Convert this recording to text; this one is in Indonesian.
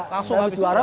langsung habis juara